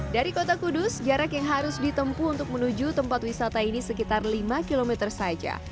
dari kota kudus jarak yang harus ditempu untuk menuju tempat wisata ini sekitar lima km saja